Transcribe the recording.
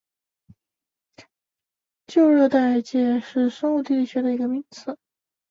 旧热带界是生物地理学的一个名词。